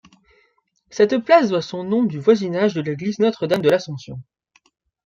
Cette place doit son nom du voisinage de l'église Notre-Dame-de-l'Assomption.